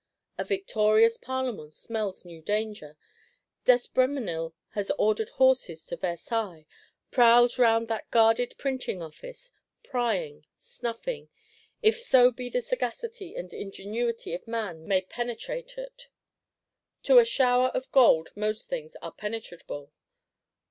A victorious Parlement smells new danger. D'Espréménil has ordered horses to Versailles; prowls round that guarded Printing Office; prying, snuffing, if so be the sagacity and ingenuity of man may penetrate it. To a shower of gold most things are penetrable.